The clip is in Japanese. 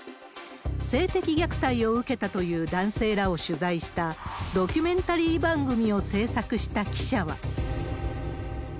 性的虐待を受けたという男性らを取材した、ドキュメンタリー番組を制作した記者は。